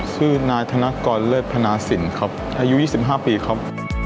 ชื่อนายธนกรเลิศพนาสินครับอายุ๒๕ปีครับ